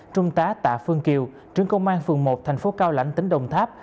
trung tá tạ phương kiều trưởng công an phường một thành phố cao lãnh tỉnh đồng tháp